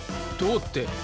どどうって。